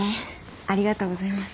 ありがとうございます。